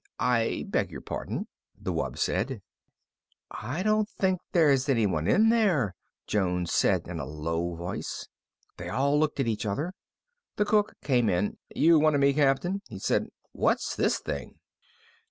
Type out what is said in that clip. "I beg your pardon," the wub said. "I don't think there's anyone in there," Jones said in a low voice. They all looked at each other. The cook came in. "You wanted me, Captain?" he said. "What's this thing?"